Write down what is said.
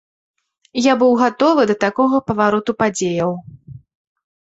Я быў гатовы да такога павароту падзеяў.